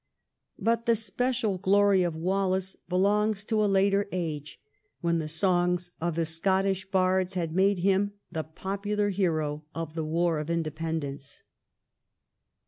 But the special glory of Wallace belongs to a later age, when the songs of the Scottish bards had made him the popular hero of the war of independence.